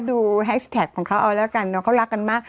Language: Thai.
ดูแฮสแท็กของเขารักกัน